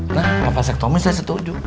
nah ke fasektomi saya setuju